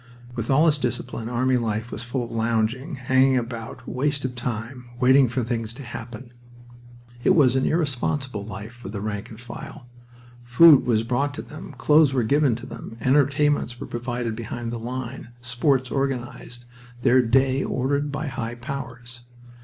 With all its discipline, army life was full of lounging, hanging about, waste of time, waiting for things to happen. It was an irresponsible life for the rank and file. Food was brought to them, clothes were given to them, entertainments were provided behind the line, sports organized, their day ordered by high powers.